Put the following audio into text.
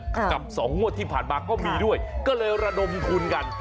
กับสองงวดที่ผ่านมาก็มีด้วยก็เลยระดมทุนกัน